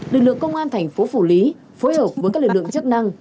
lực lượng công an thành phố phủ lý phối hợp với các lực lượng chức năng